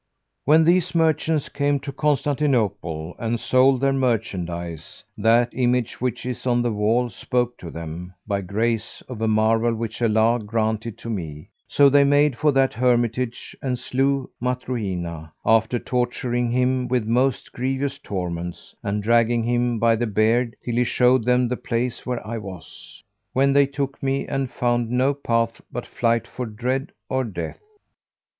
When these merchants came to Constantinople and sold their merchandise, that image which is on the wall spoke to them, by grace of a marvel which Allah granted to me; so they made for that hermitage and slew Matruhina, after torturing him with most grievous torments, and dragging him by the beard, till he showed them the place where I was; when they took me and found no path but flight for dread of death.